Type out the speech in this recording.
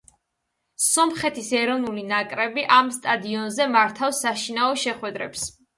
სომხეთის ეროვნული ნაკრები ამ სტადიონზე მართავს საშინაო შეხვედრებს.